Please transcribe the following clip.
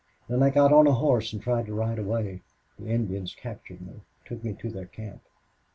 Then I got on a horse and tried to ride away. The Indians captured me took me to their camp.